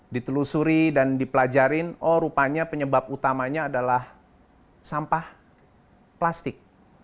ditelusuri dan dipelajarin oh rupanya penyebab utamanya adalah sampah plastik